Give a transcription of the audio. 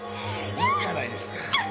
いいじゃないですか。